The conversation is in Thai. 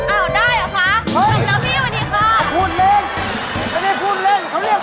อ้าวได้หรอคะ